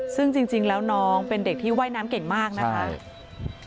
ซึ่งจริงแล้วน้องเป็นเด็กที่ว่ายน้ำเก่งมากนะคะ